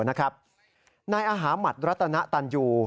นายอาหาหมัดรัตนตันยู